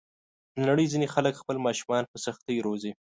د نړۍ ځینې خلک خپل ماشومان په سختۍ روزي.